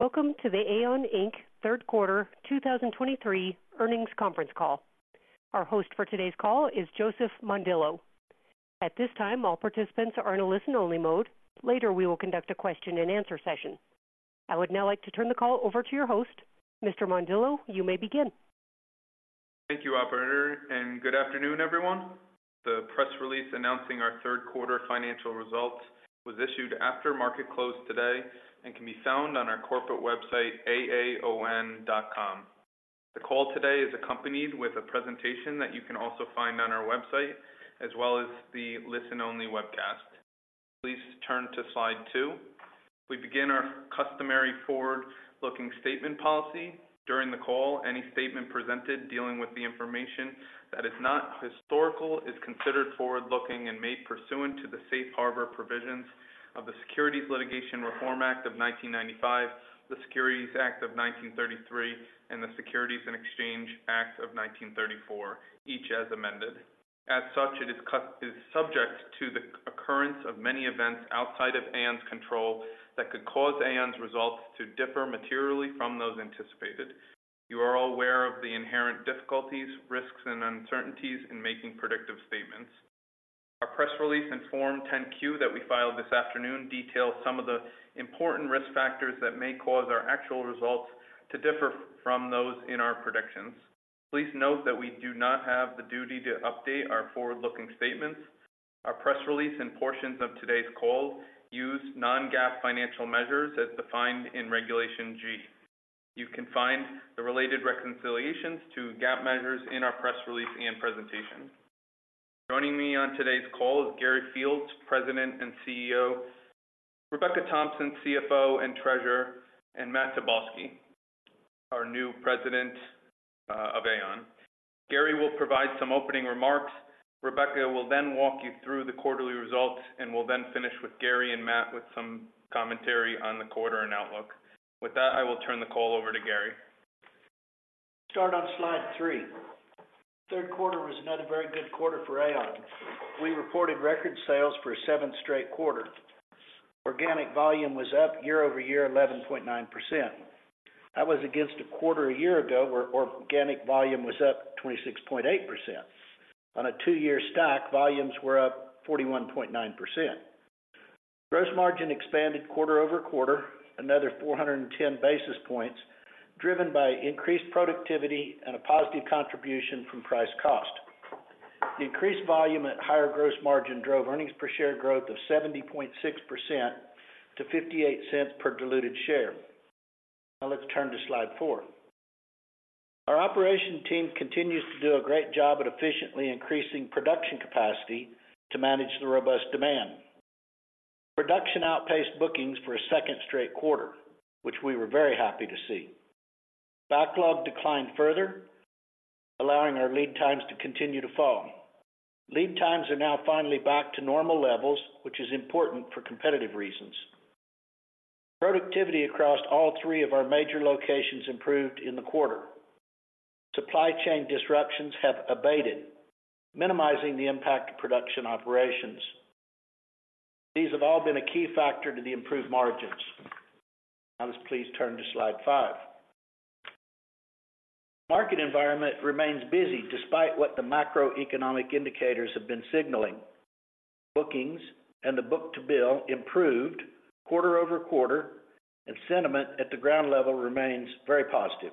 Welcome to the AAON, Inc. Third Quarter 2023 Earnings Conference Call. Our host for today's call is Joseph Mondillo. At this time, all participants are in a listen-only mode. Later, we will conduct a question-and-answer session. I would now like to turn the call over to your host. Mr. Mondillo, you may begin. Thank you, operator, and good afternoon, everyone. The press release announcing our third quarter financial results was issued after market close today and can be found on our corporate website, AAON.com. The call today is accompanied with a presentation that you can also find on our website, as well as the listen-only webcast. Please turn to slide 2. We begin our customary forward-looking statement policy. During the call, any statement presented dealing with the information that is not historical is considered forward-looking and made pursuant to the Safe Harbor provisions of the Securities Litigation Reform Act of 1995, the Securities Act of 1933, and the Securities and Exchange Act of 1934, each as amended. As such, it is subject to the occurrence of many events outside of AAON's control that could cause AAON's results to differ materially from those anticipated. You are all aware of the inherent difficulties, risks, and uncertainties in making predictive statements. Our press release and Form 10-Q that we filed this afternoon detail some of the important risk factors that may cause our actual results to differ from those in our predictions. Please note that we do not have the duty to update our forward-looking statements. Our press release and portions of today's call use non-GAAP financial measures as defined in Regulation G. You can find the related reconciliations to GAAP measures in our press release and presentation. Joining me on today's call is Gary Fields, President and CEO, Rebecca Thompson, CFO and Treasurer, and Matt Tobolski, our new President, of AAON. Gary will provide some opening remarks. Rebecca will then walk you through the quarterly results, and we'll then finish with Gary and Matt with some commentary on the quarter and outlook. With that, I will turn the call over to Gary. Start on slide three. Third quarter was another very good quarter for AAON. We reported record sales for a seventh straight quarter. Organic volume was up year-over-year, 11.9%. That was against a quarter a year ago, where organic volume was up 26.8%. On a two-year stack, volumes were up 41.9%. Gross margin expanded quarter-over-quarter, another 410 basis points, driven by increased productivity and a positive contribution from price cost. The increased volume at higher gross margin drove earnings per share growth of 70.6% to $0.58 per diluted share. Now let's turn to slide four. Our operation team continues to do a great job at efficiently increasing production capacity to manage the robust demand. Production outpaced bookings for a second straight quarter, which we were very happy to see. Backlog declined further, allowing our lead times to continue to fall. Lead times are now finally back to normal levels, which is important for competitive reasons. Productivity across all three of our major locations improved in the quarter. Supply chain disruptions have abated, minimizing the impact of production operations. These have all been a key factor to the improved margins. Now, let's please turn to slide five. Market environment remains busy, despite what the macroeconomic indicators have been signaling. Bookings and the book-to-bill improved quarter-over-quarter, and sentiment at the ground level remains very positive.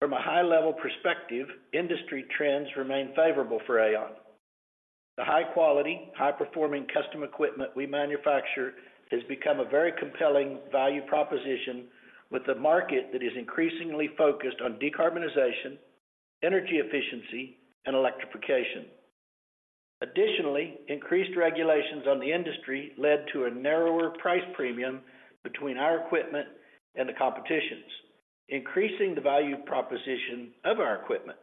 From a high-level perspective, industry trends remain favorable for AAON. The high quality, high-performing custom equipment we manufacture has become a very compelling value proposition with a market that is increasingly focused on decarbonization, energy efficiency, and electrification. Additionally, increased regulations on the industry led to a narrower price premium between our equipment and the competition's, increasing the value proposition of our equipment,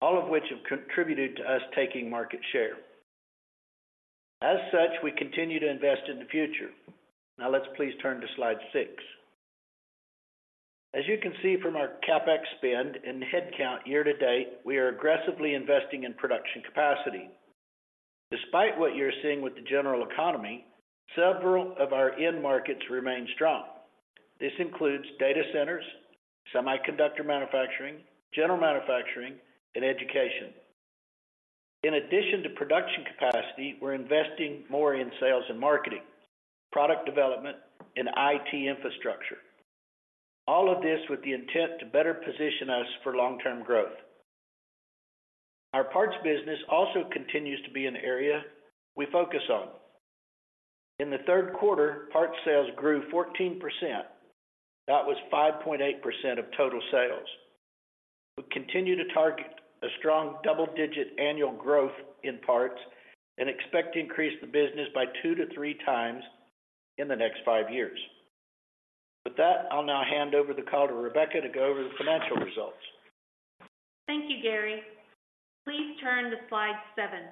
all of which have contributed to us taking market share. As such, we continue to invest in the future. Now, let's please turn to slide six. As you can see from our CapEx spend and headcount year to date, we are aggressively investing in production capacity. Despite what you're seeing with the general economy, several of our end markets remain strong. This includes data centers, semiconductor manufacturing, general manufacturing, and education. In addition to production capacity, we're investing more in sales and marketing, product development, and IT infrastructure. All of this with the intent to better position us for long-term growth. Our parts business also continues to be an area we focus on. In the third quarter, parts sales grew 14%. That was 5.8% of total sales. We continue to target a strong double-digit annual growth in parts and expect to increase the business by 2-3 times in the next 5 years. With that, I'll now hand over the call to Rebecca to go over the financial results. Thank you, Gary. Please turn to slide seven.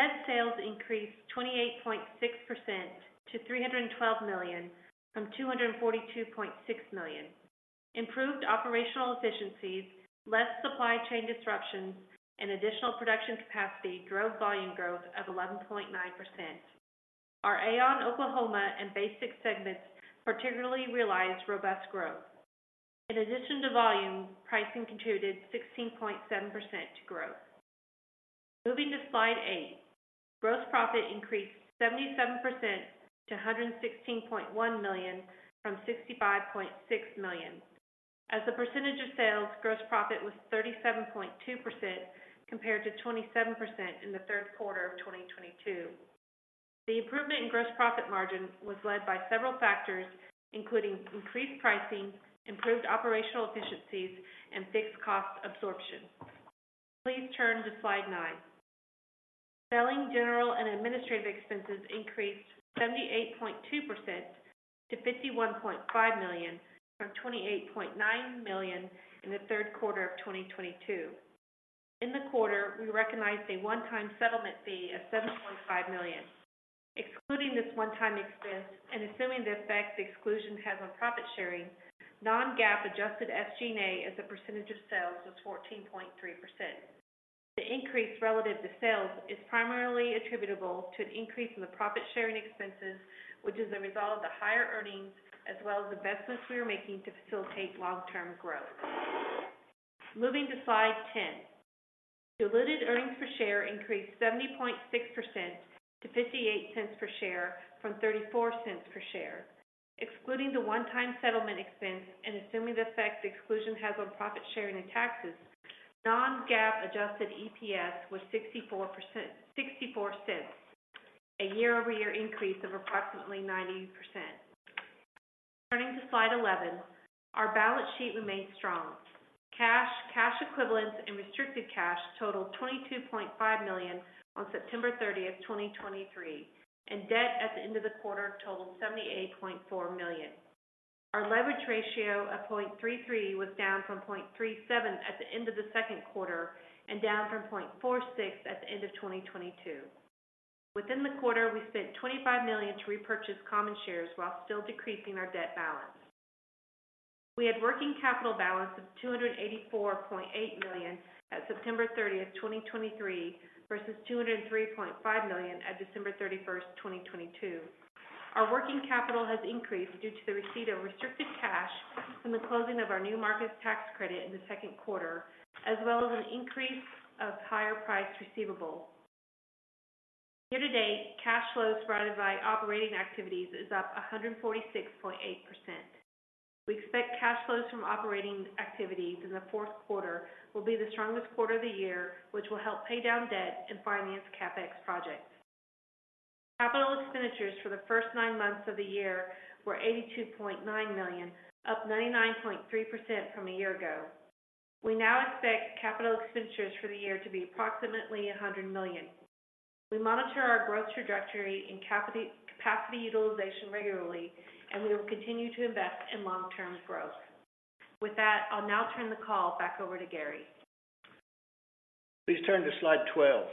Net sales increased 28.6% to $312 million, from $242.6 million.... Improved operational efficiencies, less supply chain disruptions, and additional production capacity drove volume growth of 11.9%. Our AAON Oklahoma and BASX segments particularly realized robust growth. In addition to volume, pricing contributed 16.7% to growth. Moving to Slide 8. Gross profit increased 77% to $116.1 million from $65.6 million. As a percentage of sales, gross profit was 37.2%, compared to 27% in the third quarter of 2022. The improvement in gross profit margin was led by several factors, including increased pricing, improved operational efficiencies, and fixed cost absorption. Please turn to Slide nine. Selling, general, and administrative expenses increased 78.2% to $51.5 million from $28.9 million in the third quarter of 2022. In the quarter, we recognized a one-time settlement fee of $7.5 million. Excluding this one-time expense and assuming the effect the exclusion has on profit sharing, non-GAAP adjusted SG&A as a percentage of sales was 14.3%. The increase relative to sales is primarily attributable to an increase in the profit-sharing expenses, which is a result of the higher earnings as well as investments we are making to facilitate long-term growth. Moving to Slide 10. Diluted earnings per share increased 70.6% to $0.58 per share from $0.34 per share. Excluding the one-time settlement expense and assuming the effect the exclusion has on profit sharing and taxes, non-GAAP adjusted EPS was $0.64, a year-over-year increase of approximately 90%. Turning to Slide 11, our balance sheet remains strong. Cash, cash equivalents, and restricted cash totaled $22.5 million on September 30, 2023, and debt at the end of the quarter totaled $78.4 million. Our leverage ratio of 0.33 was down from 0.37 at the end of the second quarter and down from 0.46 at the end of 2022. Within the quarter, we spent $25 million to repurchase common shares while still decreasing our debt balance. We had working capital balance of $284.8 million at September 30, 2023, versus $203.5 million at December 31, 2022. Our working capital has increased due to the receipt of restricted cash from the closing of our New Market Tax credit in the second quarter, as well as an increase of higher priced receivables. Year to date, cash flows provided by operating activities is up 146.8%. We expect cash flows from operating activities in the fourth quarter will be the strongest quarter of the year, which will help pay down debt and finance CapEx projects. Capital expenditures for the first nine months of the year were $82.9 million, up 99.3% from a year ago. We now expect capital expenditures for the year to be approximately $100 million. We monitor our growth trajectory and capacity utilization regularly, and we will continue to invest in long-term growth. With that, I'll now turn the call back over to Gary. Please turn to slide 12.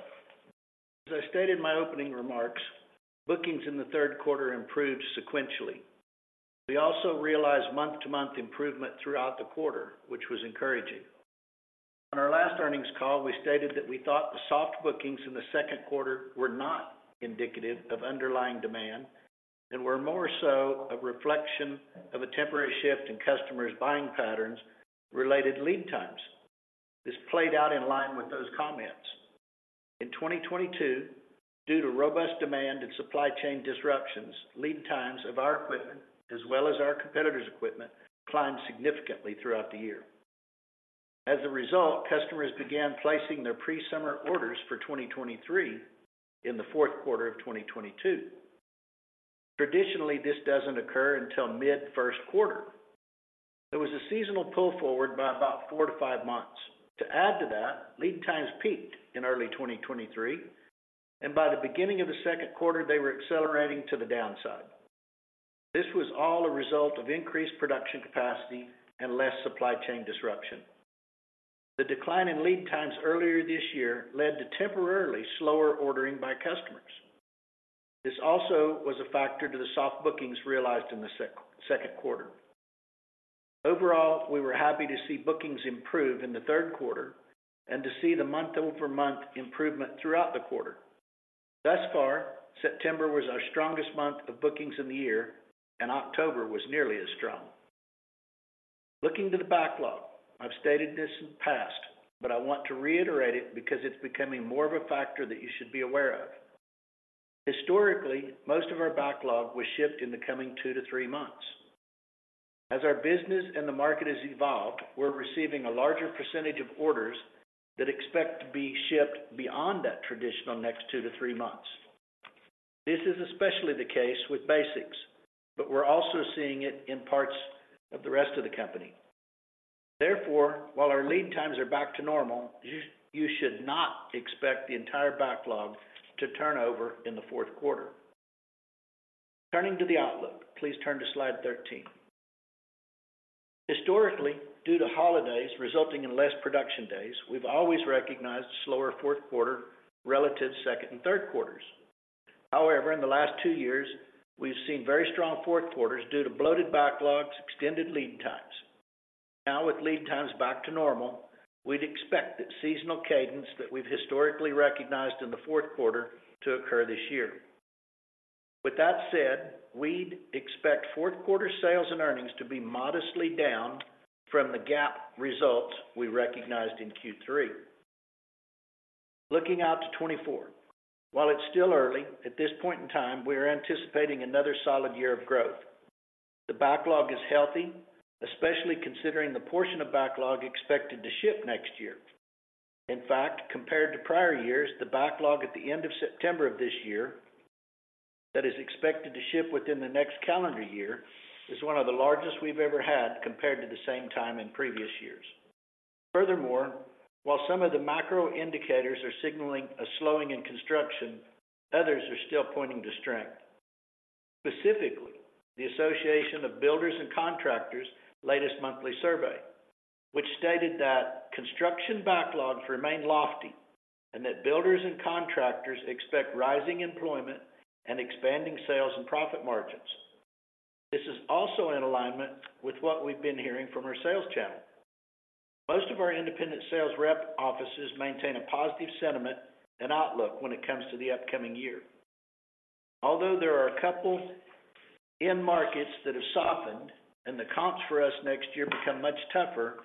As I stated in my opening remarks, bookings in the third quarter improved sequentially. We also realized month-to-month improvement throughout the quarter, which was encouraging. On our last earnings call, we stated that we thought the soft bookings in the second quarter were not indicative of underlying demand and were more so a reflection of a temporary shift in customers' buying patterns related to lead times. This played out in line with those comments. In 2022, due to robust demand and supply chain disruptions, lead times of our equipment, as well as our competitors' equipment, climbed significantly throughout the year. As a result, customers began placing their pre-summer orders for 2023 in the fourth quarter of 2022. Traditionally, this doesn't occur until mid first quarter. There was a seasonal pull forward by about 4-5 months. To add to that, lead times peaked in early 2023, and by the beginning of the second quarter, they were accelerating to the downside. This was all a result of increased production capacity and less supply chain disruption. The decline in lead times earlier this year led to temporarily slower ordering by customers. This also was a factor to the soft bookings realized in the second quarter. Overall, we were happy to see bookings improve in the third quarter and to see the month-over-month improvement throughout the quarter. Thus far, September was our strongest month of bookings in the year, and October was nearly as strong. Looking to the backlog, I've stated this in the past, but I want to reiterate it because it's becoming more of a factor that you should be aware of. Historically, most of our backlog was shipped in the coming two to three months. As our business and the market has evolved, we're receiving a larger percentage of orders that expect to be shipped beyond that traditional next two to three months. This is especially the case with BASX, but we're also seeing it in parts of the rest of the company. Therefore, while our lead times are back to normal, you should not expect the entire backlog to turn over in the fourth quarter. Turning to the outlook, please turn to Slide 13. Historically, due to holidays resulting in less production days, we've always recognized a slower fourth quarter relative to second and third quarters. However, in the last two years, we've seen very strong fourth quarters due to bloated backlogs, extended lead times. Now, with lead times back to normal, we'd expect that seasonal cadence that we've historically recognized in the fourth quarter to occur this year. With that said, we'd expect fourth quarter sales and earnings to be modestly down from the GAAP results we recognized in Q3. Looking out to 2024, while it's still early, at this point in time, we are anticipating another solid year of growth. The backlog is healthy, especially considering the portion of backlog expected to ship next year. In fact, compared to prior years, the backlog at the end of September of this year that is expected to ship within the next calendar year, is one of the largest we've ever had compared to the same time in previous years. Furthermore, while some of the macro indicators are signaling a slowing in construction, others are still pointing to strength. Specifically, the Associated Builders and Contractors' latest monthly survey, which stated that construction backlogs remain lofty and that builders and contractors expect rising employment and expanding sales and profit margins. This is also in alignment with what we've been hearing from our sales channel. Most of our independent sales rep offices maintain a positive sentiment and outlook when it comes to the upcoming year. Although there are a couple end markets that have softened and the comps for us next year become much tougher,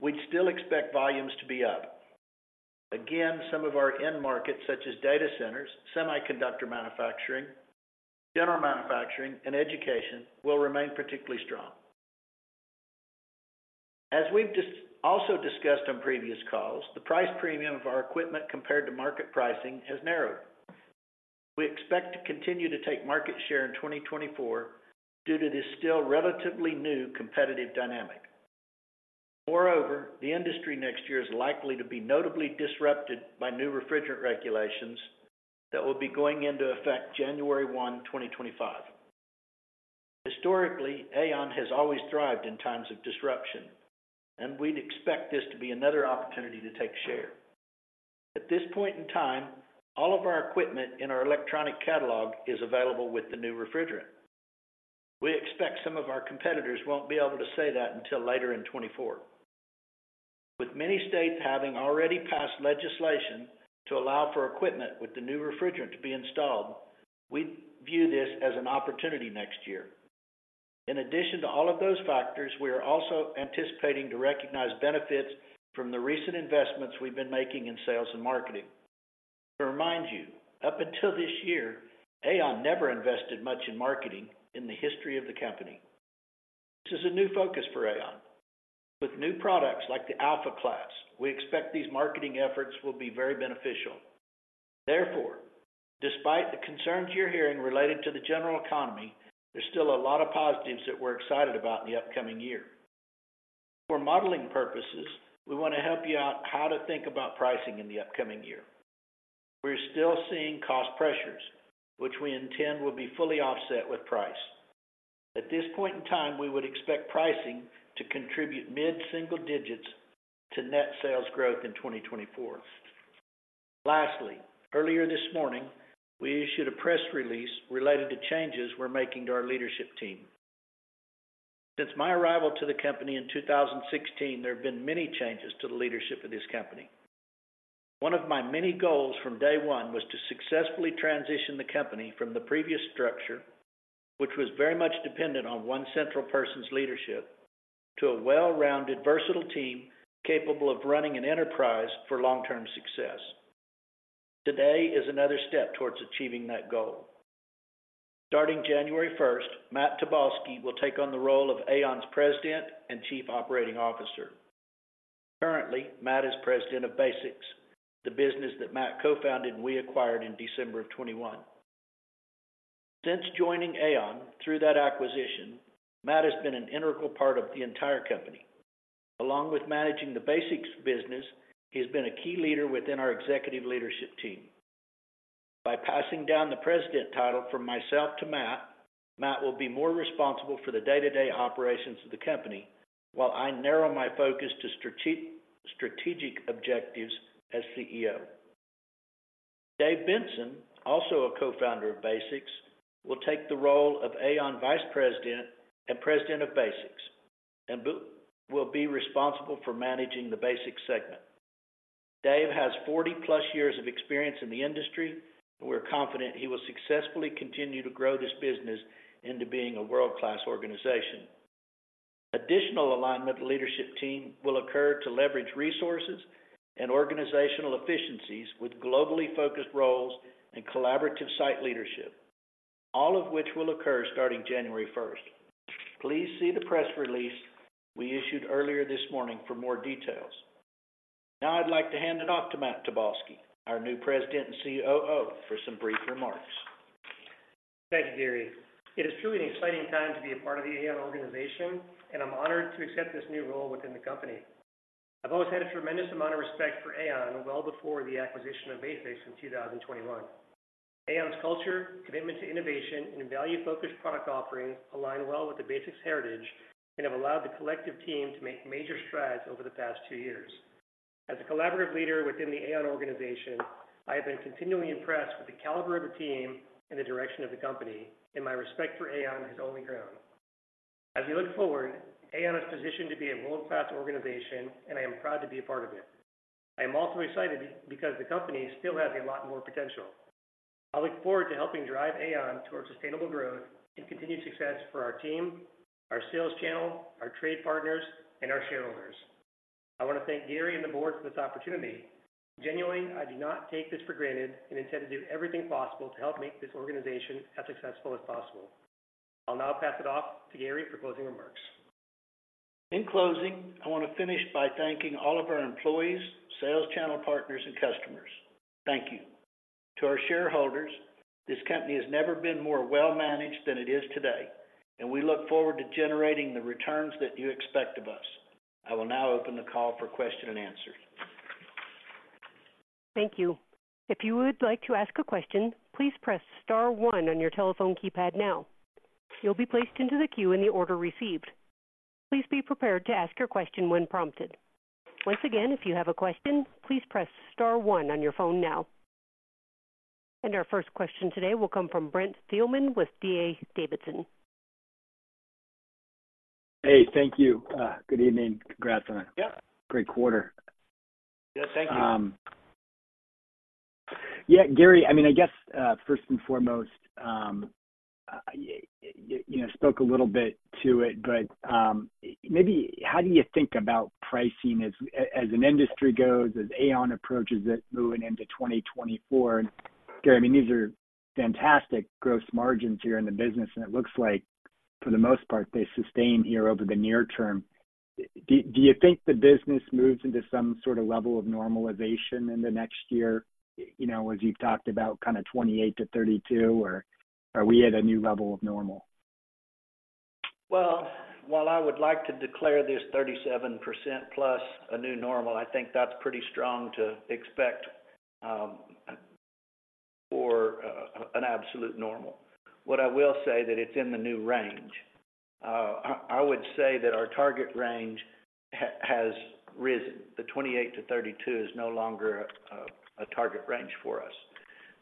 we'd still expect volumes to be up. Again, some of our end markets, such as data centers, semiconductor manufacturing, general manufacturing, and education, will remain particularly strong. As we've also discussed on previous calls, the price premium of our equipment compared to market pricing has narrowed. We expect to continue to take market share in 2024 due to this still relatively new competitive dynamic. Moreover, the industry next year is likely to be notably disrupted by new refrigerant regulations that will be going into effect January 1, 2025. Historically, AAON has always thrived in times of disruption, and we'd expect this to be another opportunity to take share. At this point in time, all of our equipment in our electronic catalog is available with the new refrigerant. We expect some of our competitors won't be able to say that until later in 2024. With many states having already passed legislation to allow for equipment with the new refrigerant to be installed, we view this as an opportunity next year. In addition to all of those factors, we are also anticipating to recognize benefits from the recent investments we've been making in sales and marketing. To remind you, up until this year, AAON never invested much in marketing in the history of the company. This is a new focus for AAON. With new products like the Alpha Class, we expect these marketing efforts will be very beneficial. Therefore, despite the concerns you're hearing related to the general economy, there's still a lot of positives that we're excited about in the upcoming year. For modeling purposes, we want to help you out how to think about pricing in the upcoming year. We're still seeing cost pressures, which we intend will be fully offset with price. At this point in time, we would expect pricing to contribute mid-single digits to net sales growth in 2024. Lastly, earlier this morning, we issued a press release related to changes we're making to our leadership team. Since my arrival to the company in 2016, there have been many changes to the leadership of this company. One of my many goals from day one was to successfully transition the company from the previous structure, which was very much dependent on one central person's leadership, to a well-rounded, versatile team, capable of running an enterprise for long-term success. Today is another step towards achieving that goal. Starting January first, Matt Tobolski will take on the role of AAON's President and Chief Operating Officer. Currently, Matt is President of BASX, the business that Matt co-founded, and we acquired in December of 2021. Since joining AAON through that acquisition, Matt has been an integral part of the entire company. Along with managing the BASX business, he's been a key leader within our executive leadership team. By passing down the president title from myself to Matt, Matt will be more responsible for the day-to-day operations of the company, while I narrow my focus to strategic objectives as CEO. Dave Benson, also a co-founder of BASX, will take the role of AAON Vice President and President of BASX, and will be responsible for managing the BASX segment. Dave has 40+ years of experience in the industry, and we're confident he will successfully continue to grow this business into being a world-class organization. Additional alignment leadership team will occur to leverage resources and organizational efficiencies with globally focused roles and collaborative site leadership, all of which will occur starting January first. Please see the press release we issued earlier this morning for more details. Now, I'd like to hand it off to Matt Tobolski, our new President and COO, for some brief remarks. Thank you, Gary. It is truly an exciting time to be a part of the AAON organization, and I'm honored to accept this new role within the company. I've always had a tremendous amount of respect for AAON, well before the acquisition of BASX in 2021. AAON's culture, commitment to innovation, and value-focused product offerings align well with the BASX heritage and have allowed the collective team to make major strides over the past two years. As a collaborative leader within the AAON organization, I have been continually impressed with the caliber of the team and the direction of the company, and my respect for AAON has only grown. As we look forward, AAON is positioned to be a world-class organization, and I am proud to be a part of it. I am also excited because the company still has a lot more potential. I look forward to helping drive AAON towards sustainable growth and continued success for our team, our sales channel, our trade partners, and our shareholders. I want to thank Gary and the board for this opportunity. Genuinely, I do not take this for granted and intend to do everything possible to help make this organization as successful as possible. I'll now pass it off to Gary for closing remarks. In closing, I want to finish by thanking all of our employees, sales channel partners, and customers. Thank you. To our shareholders, this company has never been more well-managed than it is today, and we look forward to generating the returns that you expect of us. I will now open the call for question and answer. Thank you. If you would like to ask a question, please press star one on your telephone keypad now. You'll be placed into the queue in the order received. Please be prepared to ask your question when prompted. Once again, if you have a question, please press star one on your phone now. Our first question today will come from Brent Thielman with D.A. Davidson. Hey, thank you. Good evening. Congrats on a- Yeah. -great quarter. Yes, thank you. Yeah, Gary, I mean, I guess, first and foremost, you know, spoke a little bit to it, but, maybe how do you think about pricing as an industry goes, as AAON approaches it moving into 2024? Gary, I mean, these are fantastic gross margins here in the business, and it looks like for the most part, they sustain here over the near term. Do you think the business moves into some sort of level of normalization in the next year, you know, as you've talked about kind of 28-32, or are we at a new level of normal? Well, while I would like to declare this 37%+ a new normal, I think that's pretty strong to expect for an absolute normal. What I will say that it's in the new range. I would say that our target range has risen. The 28%-32% is no longer a target range for us.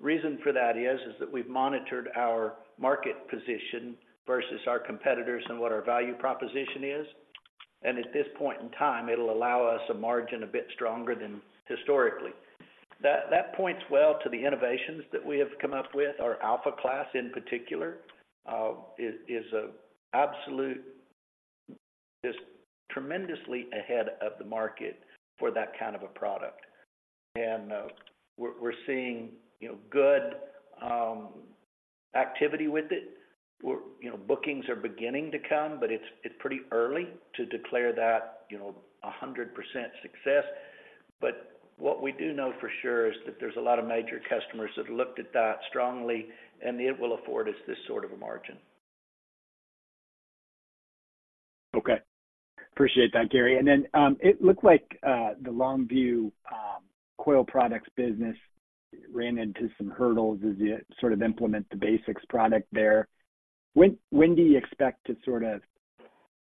Reason for that is that we've monitored our market position versus our competitors and what our value proposition is, and at this point in time, it'll allow us a margin a bit stronger than historically. That points well to the innovations that we have come up with. Our Alpha Class, in particular, is a absolute. Just tremendously ahead of the market for that kind of a product. And, we're seeing, you know, good activity with it, where, you know, bookings are beginning to come, but it's pretty early to declare that, you know, 100% success. But what we do know for sure is that there's a lot of major customers that have looked at that strongly, and it will afford us this sort of a margin. Okay. Appreciate that, Gary. And then, it looked like the Longview Coil Products business ran into some hurdles as you sort of implement the BASX product there. When do you expect to sort of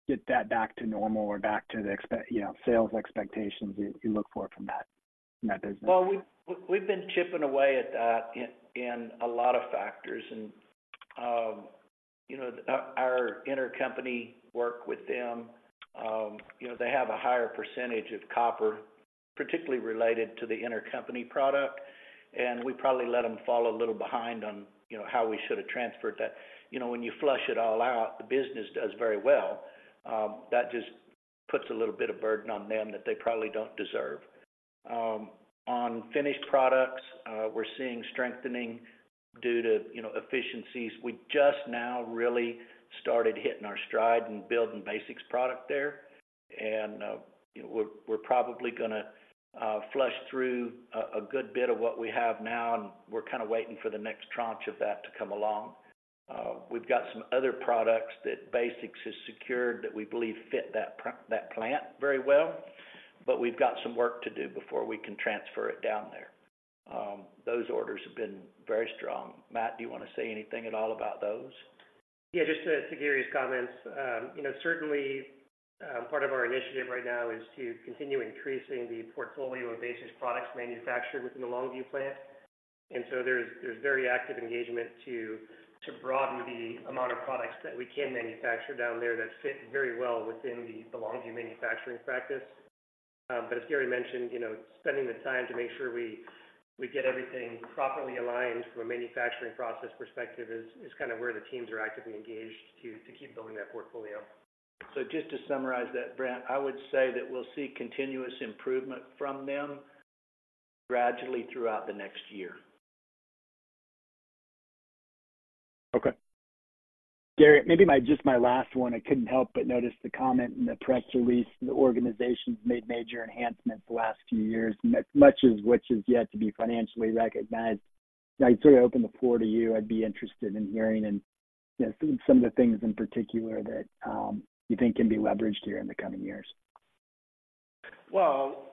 get that back to normal or back to the expected, you know, sales expectations you look for from that business? Well, we've been chipping away at that in a lot of factors. And, you know, our intercompany work with them, you know, they have a higher percentage of copper, particularly related to the intercompany product, and we probably let them fall a little behind on, you know, how we should have transferred that. You know, when you flush it all out, the business does very well. That just puts a little bit of burden on them that they probably don't deserve. On finished products, we're seeing strengthening due to, you know, efficiencies. We just now really started hitting our stride and building BASX product there, and, you know, we're probably gonna flush through a good bit of what we have now, and we're kind of waiting for the next tranche of that to come along. We've got some other products that BASX has secured that we believe fit that plant very well, but we've got some work to do before we can transfer it down there. Those orders have been very strong. Matt, do you want to say anything at all about those? Yeah, just to Gary's comments, you know, certainly, part of our initiative right now is to continue increasing the portfolio of BASX products manufactured within the Longview plant. And so there's very active engagement to broaden the amount of products that we can manufacture down there that fit very well within the Longview manufacturing practice. But as Gary mentioned, you know, spending the time to make sure we get everything properly aligned from a manufacturing process perspective is kind of where the teams are actively engaged to keep building that portfolio. Just to summarize that, Brent, I would say that we'll see continuous improvement from them gradually throughout the next year. Okay. Gary, maybe my just last one. I couldn't help but notice the comment in the press release. The organization's made major enhancements the last few years, much of which is yet to be financially recognized. I'd sort of open the floor to you. I'd be interested in hearing and, you know, some of the things in particular that you think can be leveraged here in the coming years. Well,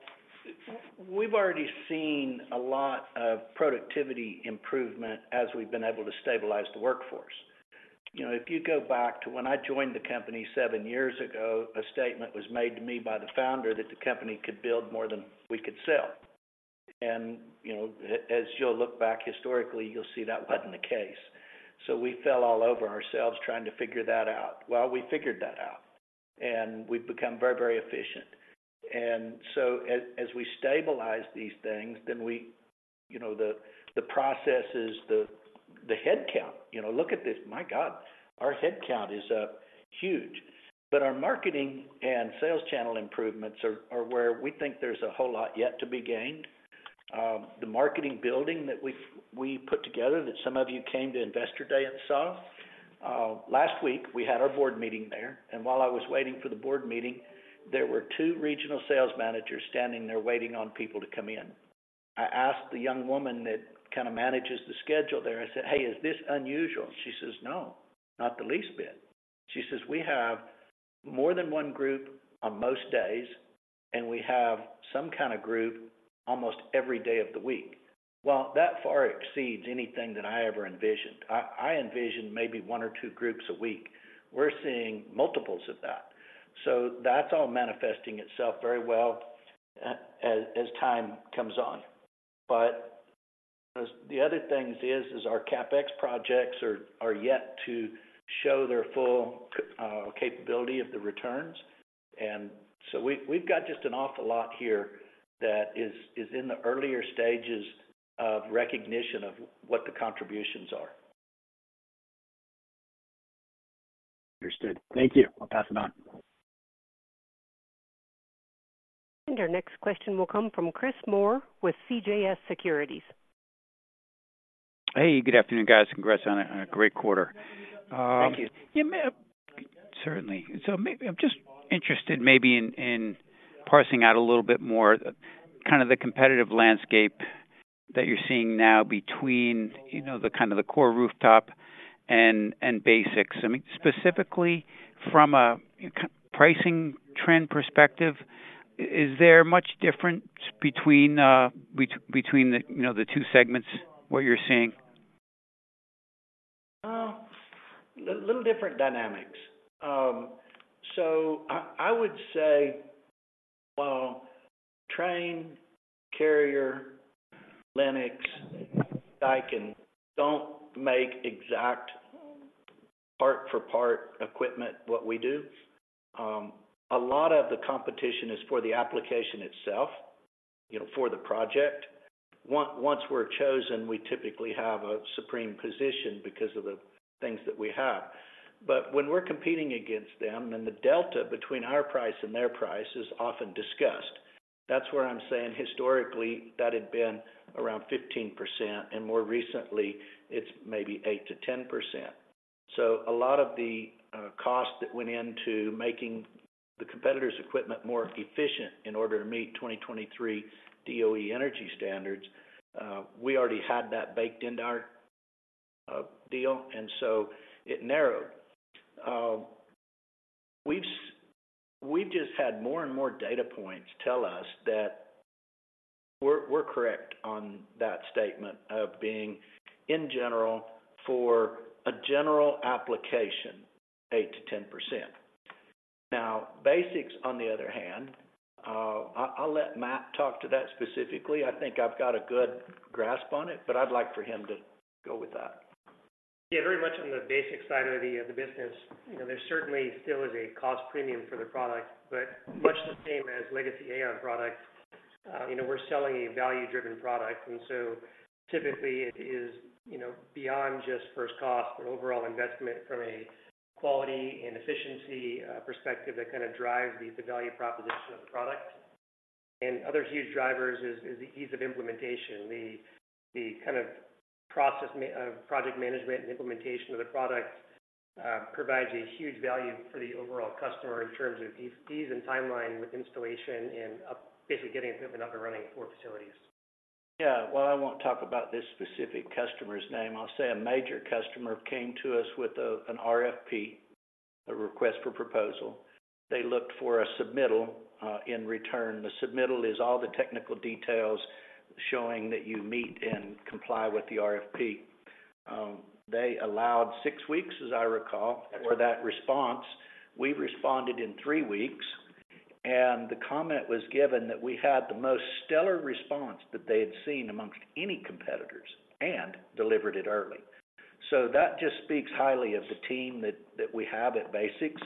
we've already seen a lot of productivity improvement as we've been able to stabilize the workforce. You know, if you go back to when I joined the company seven years ago, a statement was made to me by the founder that the company could build more than we could sell. And, you know, as you'll look back historically, you'll see that wasn't the case. So we fell all over ourselves trying to figure that out. Well, we figured that out, and we've become very, very efficient. And so as we stabilize these things, then we, you know, the processes, the headcount, you know, look at this. My God! Our headcount is huge. But our marketing and sales channel improvements are where we think there's a whole lot yet to be gained. The marketing building that we've put together, that some of you came to Investor Day and saw. Last week, we had our board meeting there, and while I was waiting for the board meeting, there were two regional sales managers standing there waiting on people to come in. I asked the young woman that kind of manages the schedule there, I said, "Hey, is this unusual?" She says, "No, not the least bit." She says, "We have more than one group on most days, and we have some kind of group almost every day of the week." Well, that far exceeds anything that I ever envisioned. I envisioned maybe one or two groups a week. We're seeing multiples of that. So that's all manifesting itself very well, as time comes on. But the other things is our CapEx projects are yet to show their full capability of the returns. And so we've got just an awful lot here that is in the earlier stages of recognition of what the contributions are. Understood. Thank you. I'll pass it on. And our next question will come from Chris Moore with CJS Securities. Hey, good afternoon, guys. Congrats on a great quarter. Thank you. Yeah, certainly. So I'm just interested maybe in parsing out a little bit more the kind of the competitive landscape that you're seeing now between, you know, the kind of the core rooftop and BASX. I mean, specifically from a pricing trend perspective, is there much difference between the two segments, what you're seeing? Well, a little different dynamics. So I, I would say, while Trane, Carrier, Lennox, Daikin don't make exact part for part equipment, what we do, a lot of the competition is for the application itself, you know, for the project. Once we're chosen, we typically have a supreme position because of the things that we have. But when we're competing against them, then the delta between our price and their price is often discussed. That's where I'm saying historically, that had been around 15%, and more recently, it's maybe 8%-10%. So a lot of the costs that went into making the competitor's equipment more efficient in order to meet 2023 DOE energy standards, we already had that baked into our deal, and so it narrowed. We've just had more and more data points tell us that we're correct on that statement of being, in general, for a general application, 8%-10%. Now, BASX, on the other hand, I'll let Matt talk to that specifically. I think I've got a good grasp on it, but I'd like for him to go with that. Yeah, very much on theBASX side of the business, you know, there certainly still is a cost premium for the product, but much the same as legacy AAON products, you know, we're selling a value-driven product, and so typically it is, you know, beyond just first cost, but overall investment from a quality and efficiency perspective that kinda drives the value proposition of the product. And other huge drivers is the ease of implementation. The kind of process management and implementation of the product provides a huge value for the overall customer in terms of ease and timeline with installation and basically getting equipment up and running for facilities. Yeah. Well, I won't talk about this specific customer's name. I'll say a major customer came to us with an RFP, a request for proposal. They looked for a submittal in return. The submittal is all the technical details showing that you meet and comply with the RFP. They allowed six weeks, as I recall, for that response. We responded in three weeks, and the comment was given that we had the most stellar response that they had seen amongst any competitors and delivered it early. So that just speaks highly of the team that we have at BASX.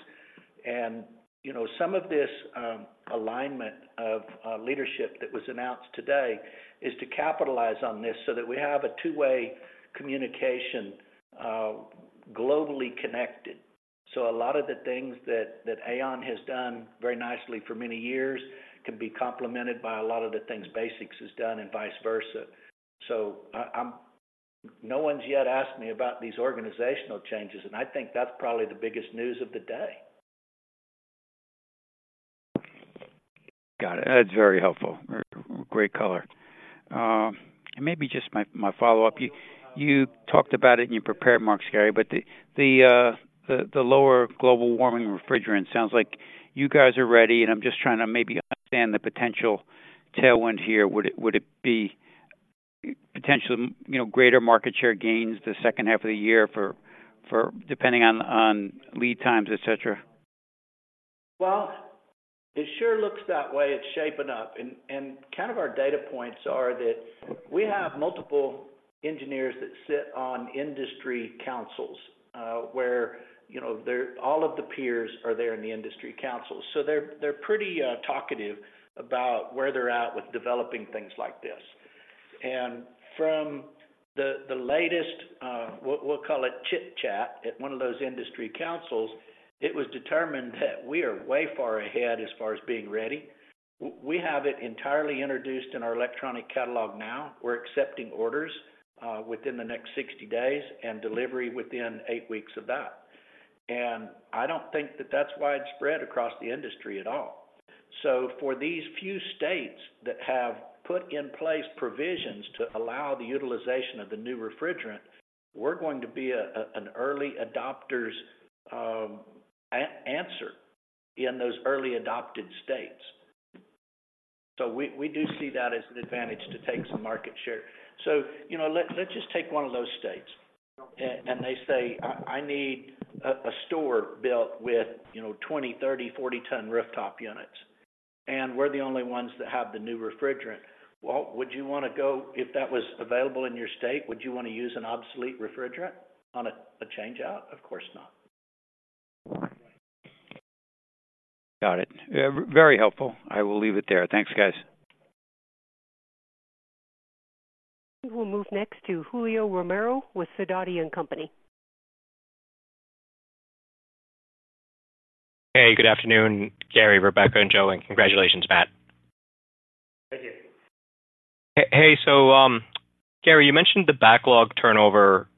And, you know, some of this alignment of leadership that was announced today is to capitalize on this so that we have a two-way communication globally connected. So a lot of the things that AAON has done very nicely for many years can be complemented by a lot of the things BASX has done and vice versa. So I, I'm... No one's yet asked me about these organizational changes, and I think that's probably the biggest news of the day. Got it. That's very helpful. Great color. Maybe just my follow-up. You talked about it in your prepared remarks, but the lower global warming refrigerant sounds like you guys are ready, and I'm just trying to maybe understand the potential tailwind here. Would it be potentially, you know, greater market share gains the second half of the year for—depending on lead times, et cetera? Well, it sure looks that way. It's shaping up. And kind of our data points are that we have multiple engineers that sit on industry councils, where, you know, they're all of the peers are there in the industry council. So they're pretty talkative about where they're at with developing things like this. And from the latest, we'll call it chit-chat, at one of those industry councils, it was determined that we are way far ahead as far as being ready. We have it entirely introduced in our electronic catalog now. We're accepting orders within the next 60 days, and delivery within 8 weeks of that. And I don't think that that's widespread across the industry at all. So for these few states that have put in place provisions to allow the utilization of the new refrigerant, we're going to be an early adopter in those early adopted states. So we do see that as an advantage to take some market share. So, you know, let's just take one of those states, and they say, "I need a store built with, you know, 20-, 30-, 40-ton rooftop units," and we're the only ones that have the new refrigerant. Well, would you wanna go... If that was available in your state, would you want to use an obsolete refrigerant on a change-out? Of course not. Got it. Very helpful. I will leave it there. Thanks, guys. We'll move next to Julio Romero with Sidoti & Company. Hey, good afternoon, Gary, Rebecca, and Joe, and congratulations, Matt. Thank you. Hey, so, Gary, you mentioned the backlog turnover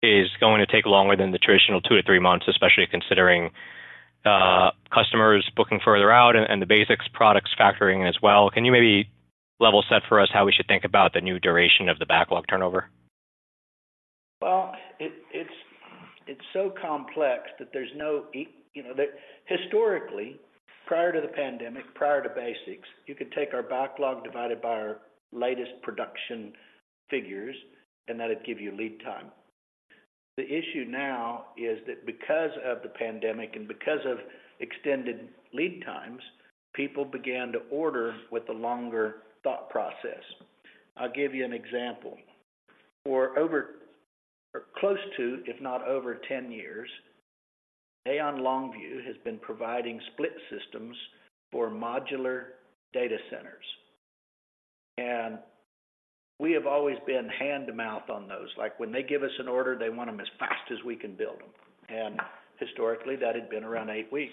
is going to take longer than the traditional 2-3 months, especially considering customers booking further out and the BASX products factoring as well. Can you maybe level set for us how we should think about the new duration of the backlog turnover? Well, it's so complex that there's no, you know, that historically, prior to the pandemic, prior to BASX, you could take our backlog divided by our latest production figures, and that'd give you lead time. The issue now is that because of the pandemic and because of extended lead times, people began to order with a longer thought process. I'll give you an example. For over, or close to, if not over 10 years, AAON Longview has been providing split systems for modular data centers, and we have always been hand to mouth on those. Like, when they give us an order, they want them as fast as we can build them, and historically, that had been around 8 weeks.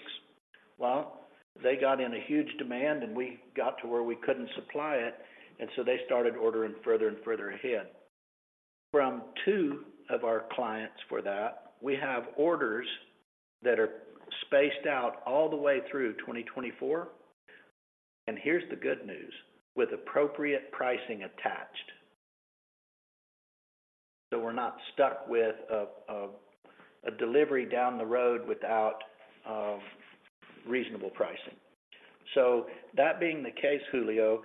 Well, they got in a huge demand, and we got to where we couldn't supply it, and so they started ordering further and further ahead. From two of our clients for that, we have orders that are spaced out all the way through 2024, and here's the good news: with appropriate pricing attached. So we're not stuck with a delivery down the road without reasonable pricing. So that being the case, Julio,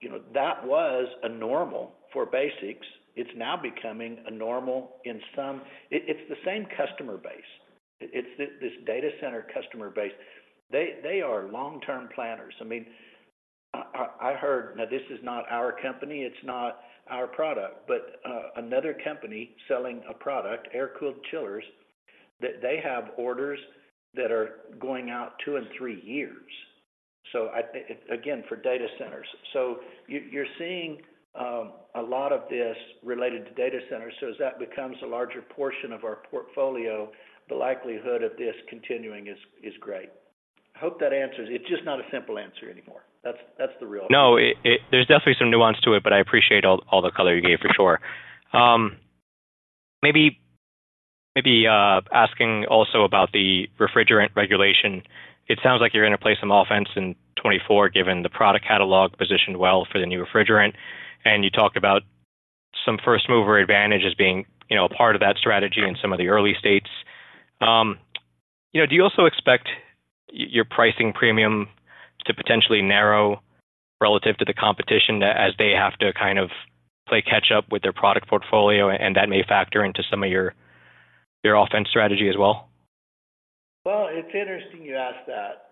you know, that was a normal for BASX. It's now becoming a normal in some... It's the same customer base. It's this data center customer base. They are long-term planners. I mean, I heard... Now, this is not our company, it's not our product, but another company selling a product, air-cooled chillers, that they have orders that are going out two and three years. So I think, again, for data centers. So you're seeing a lot of this related to data centers. So as that becomes a larger portion of our portfolio, the likelihood of this continuing is, is great. I hope that answers. It's just not a simple answer anymore. That's, that's the reality. No, it—there's definitely some nuance to it, but I appreciate all the color you gave, for sure. Maybe asking also about the refrigerant regulation. It sounds like you're gonna play some offense in 2024, given the product catalog positioned well for the new refrigerant, and you talked about some first mover advantage as being, you know, a part of that strategy in some of the early states. You know, do you also expect your pricing premium to potentially narrow relative to the competition, as they have to kind of play catch up with their product portfolio, and that may factor into some of your offense strategy as well? Well, it's interesting you ask that.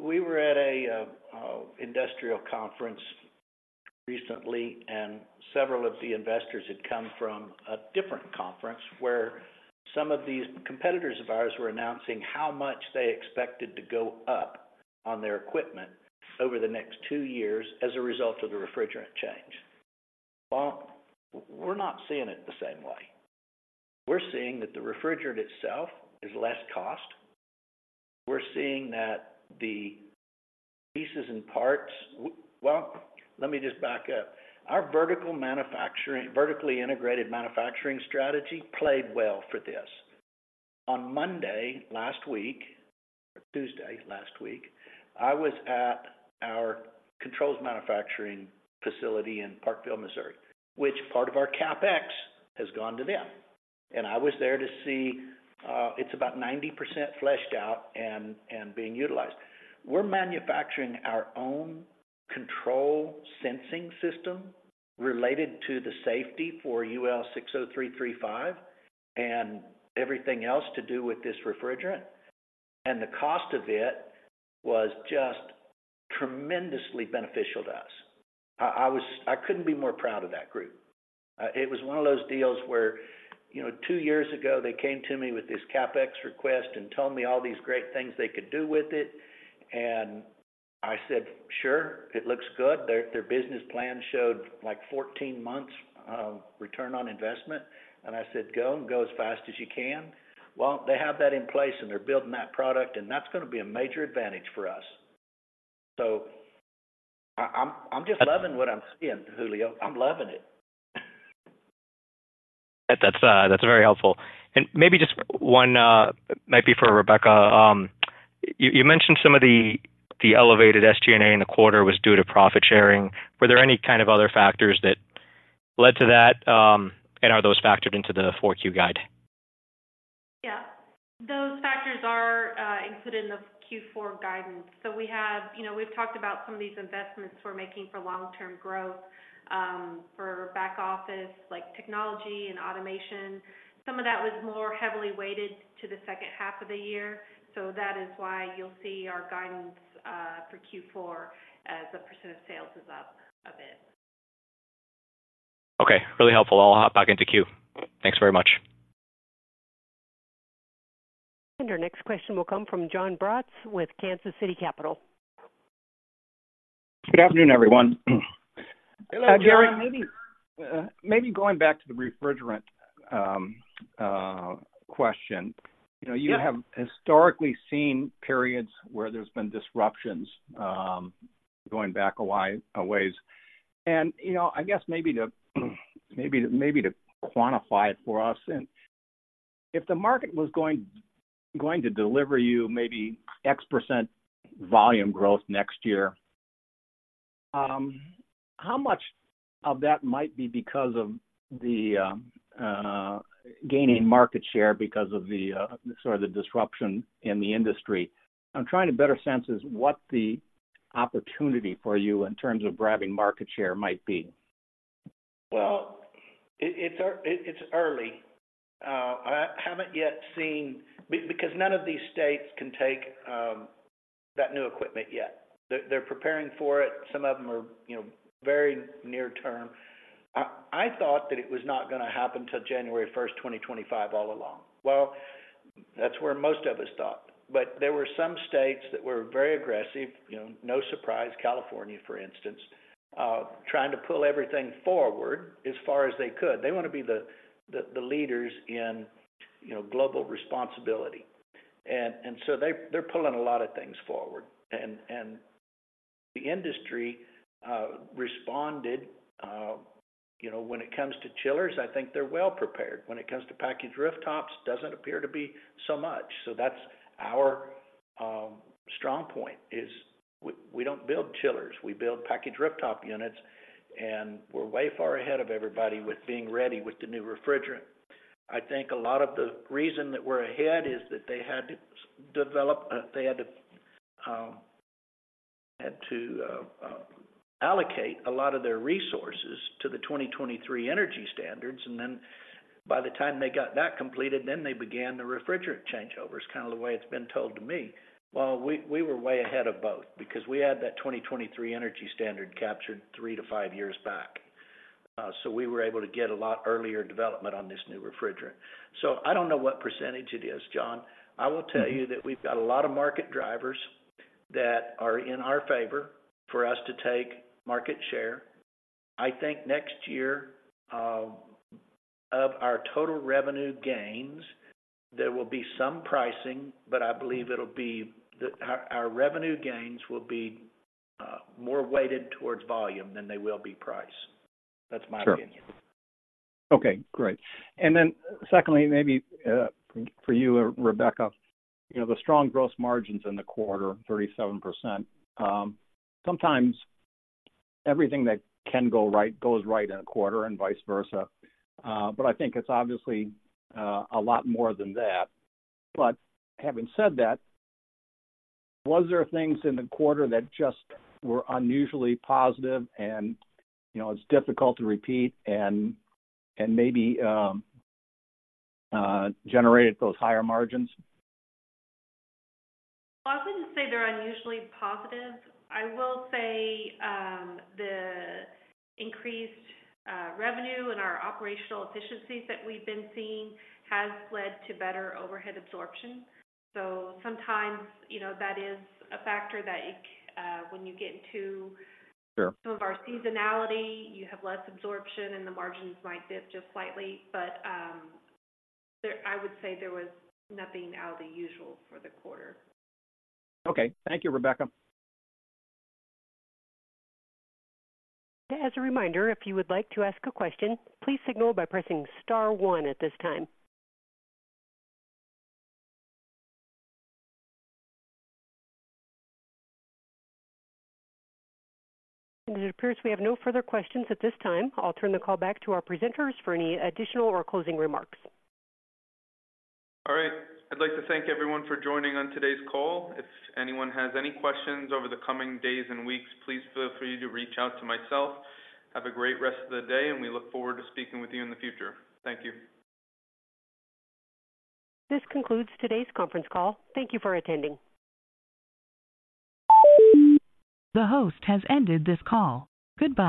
We were at an industrial conference recently, and several of the investors had come from a different conference, where some of these competitors of ours were announcing how much they expected to go up on their equipment over the next two years as a result of the refrigerant change. Well, we're not seeing it the same way. We're seeing that the refrigerant itself is less cost. We're seeing that the pieces and parts. Well, let me just back up. Our vertical manufacturing, vertically integrated manufacturing strategy played well for this. On Monday, last week, or Tuesday, last week, I was at our controls manufacturing facility in Parkville, Missouri, which part of our CapEx has gone to them. And I was there to see, it's about 90% fleshed out and being utilized. We're manufacturing our own control sensing system related to the safety for UL 60335, and everything else to do with this refrigerant. The cost of it was just tremendously beneficial to us. I was. I couldn't be more proud of that group. It was one of those deals where, you know, two years ago they came to me with this CapEx request and told me all these great things they could do with it, and I said, "Sure, it looks good." Their business plan showed, like, 14 months return on investment, and I said, "Go, and go as fast as you can." Well, they have that in place, and they're building that product, and that's gonna be a major advantage for us. So I am just loving what I'm seeing, Julio. I'm loving it. That's, that's very helpful. And maybe just one, maybe for Rebecca. You mentioned some of the elevated SG&A in the quarter was due to profit sharing. Were there any kind of other factors that led to that? And are those factored into the 4Q guide? Yeah. Those factors are included in the Q4 guidance. So we have... You know, we've talked about some of these investments we're making for long-term growth, for back office, like technology and automation. Some of that was more heavily weighted to the second half of the year, so that is why you'll see our guidance, for Q4 as a % of sales is up a bit. Okay, really helpful. I'll hop back into queue. Thanks very much. Our next question will come from Jon Braatz with Kansas City Capital. Good afternoon, everyone. Hello, John. Gary, maybe going back to the refrigerant question. Yeah. You know, you have historically seen periods where there's been disruptions, going back a ways. You know, I guess maybe to quantify it for us, and if the market was going to deliver you maybe X% volume growth next year, how much of that might be because of the gaining market share because of the sort of the disruption in the industry? I'm trying to better sense as what the opportunity for you in terms of grabbing market share might be. Well, it's early. I haven't yet seen... Because none of these states can take that new equipment yet. They're preparing for it. Some of them are, you know, very near term. I thought that it was not gonna happen till January 1, 2025, all along. Well, that's where most of us thought. But there were some states that were very aggressive, you know, no surprise, California, for instance, trying to pull everything forward as far as they could. They want to be the leaders in, you know, global responsibility. And so they're pulling a lot of things forward. And the industry responded. You know, when it comes to chillers, I think they're well prepared. When it comes to packaged rooftops, doesn't appear to be so much. So that's our strong point, is we, we don't build chillers. We build packaged rooftop units, and we're way far ahead of everybody with being ready with the new refrigerant. I think a lot of the reason that we're ahead is that they had to allocate a lot of their resources to the 2023 energy standards, and then by the time they got that completed, then they began the refrigerant changeovers. Kind of the way it's been told to me. Well, we, we were way ahead of both, because we had that 2023 energy standard captured 3-5 years back. So we were able to get a lot earlier development on this new refrigerant. So I don't know what percentage it is, John. I will tell you that we've got a lot of market drivers that are in our favor for us to take market share. I think next year, of our total revenue gains, there will be some pricing, but I believe our revenue gains will be more weighted towards volume than they will be price. Sure. That's my opinion. Okay, great. And then secondly, maybe for you, Rebecca, you know, the strong gross margins in the quarter, 37%, sometimes everything that can go right goes right in a quarter and vice versa. But I think it's obviously a lot more than that. But having said that, was there things in the quarter that just were unusually positive and, you know, it's difficult to repeat and maybe generated those higher margins? Well, I wouldn't say they're unusually positive. I will say, the increased revenue and our operational efficiencies that we've been seeing has led to better overhead absorption. So sometimes, you know, that is a factor that, when you get into- Sure... some of our seasonality, you have less absorption, and the margins might dip just slightly. But, there, I would say there was nothing out of the usual for the quarter. Okay. Thank you, Rebecca. As a reminder, if you would like to ask a question, please signal by pressing star one at this time. It appears we have no further questions at this time. I'll turn the call back to our presenters for any additional or closing remarks. All right. I'd like to thank everyone for joining on today's call. If anyone has any questions over the coming days and weeks, please feel free to reach out to myself. Have a great rest of the day, and we look forward to speaking with you in the future. Thank you. This concludes today's conference call. Thank you for attending. The host has ended this call. Goodbye.